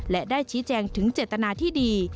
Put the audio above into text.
และได้ชี้แจงถึงเจตนาที่ดี